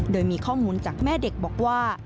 โดยมีข้อมูลจากแม่เด็กบอกว่า